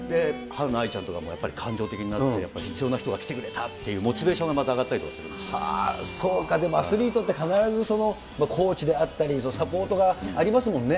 はるな愛ちゃんとかも、やっぱり感情的になって、必要な人が来てくれたというモチベーションがまた上がったりとかそうか、でも、アスリートって必ず、コーチであったり、サポートがありますもんね。